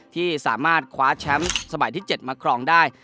ที่สามารถคว้าแชมป์สมัยที่๗มาครองได้